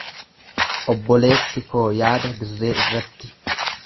Obboleessi koo yaada dirree irratti.